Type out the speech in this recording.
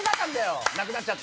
なくなっちゃった。